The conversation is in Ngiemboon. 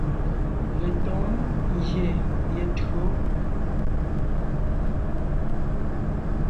Letǒŋ ngyè ye tÿǒ.